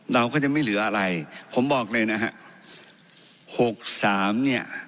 เราก็ยังไม่เหลืออะไรผมบอกเลยนะฮะหกสามเนี่ย